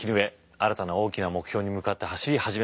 新たな大きな目標に向かって走り始めます。